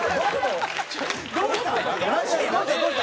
どうした？